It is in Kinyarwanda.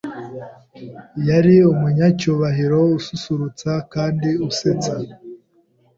Yari umunyacyubahiro ususurutsa kandi usetsa.